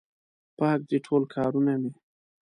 پاک دي ټول کارونه مې